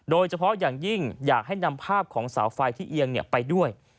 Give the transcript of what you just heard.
โดยเฉพาะอย่างยิ่งอยากให้นำภาพของเสาไฟที่เอียงไปด้วย